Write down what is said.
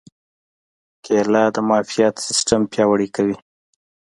کېله د معافیت سیستم پیاوړی کوي.